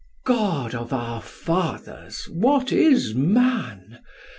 God of our Fathers, what is man!